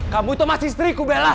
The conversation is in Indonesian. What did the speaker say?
kamu itu mah istriku